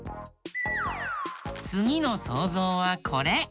つぎのそうぞうはこれ。